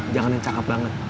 jangan yang cakep banget